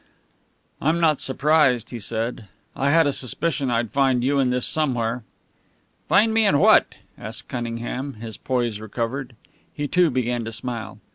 "I'm not surprised," he said. "I had a suspicion I'd find you in this somewhere." "Find me in what?" asked Cunningham, his poise recovered. He, too, began to smile.